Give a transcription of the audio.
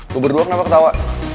lo berdua kenapa ketawa